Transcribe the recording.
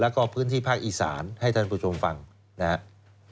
แล้วก็พื้นที่ภาคอีสานให้ท่านผู้ชมฟังนะครับ